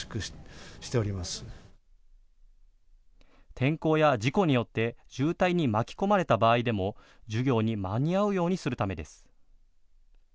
天候や事故によって渋滞に巻き込まれた場合でも授業に間に合うようにするためです。